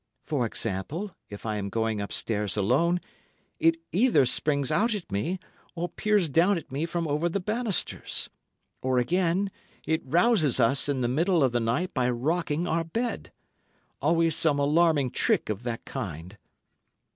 "For example, if I am going upstairs alone, it either springs out at me or peers down at me from over the banisters. Or, again, it rouses us in the middle of the night by rocking our bed! Always some alarming trick of that kind."